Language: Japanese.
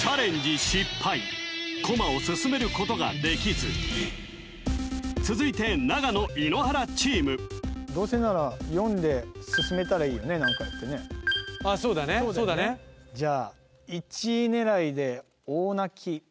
コマを進めることができず続いて長野井ノ原チームどうせなら４で進めたらいいよね何かやってねあっそうだねそうだねじゃあ１位狙いで大泣き